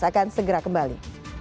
saya akan segera kembali